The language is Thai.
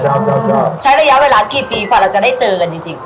แล้วก็ใช้ระยะเวลากี่ปีกว่าเราจะได้เจอกันจริง